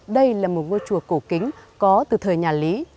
đây là một ngôi chùa cổ kính có từ thời nhà lý